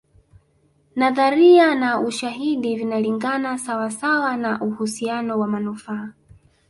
Nadharia na ushahidi vinalingana sawa sawa na uhusiano wa manufaa